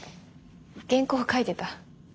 原稿書いてた。